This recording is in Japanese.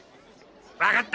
わかった。